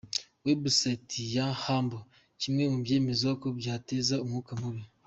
Website ya Humble; kimwe mu byemezwa ko byateza umwuka mubi.